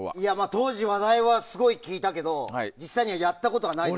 当時、話題はすごい聞いたけど実際にはやったことがないです。